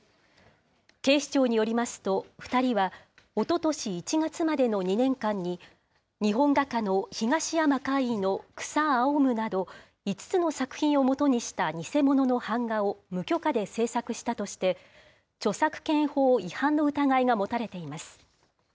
警視庁によりますと、２人はおととし１月までの２年間に、日本画家の東山魁夷の草青むなど５つの作品を基にした偽物の版画を無許可で制作したとして、著作権法違反の疑いが持たれています。